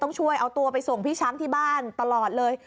ช่วยเอาตัวไปส่งพี่ช้างที่บ้านตลอดเลย